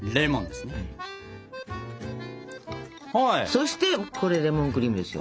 そしてこれでレモンクリームですよ。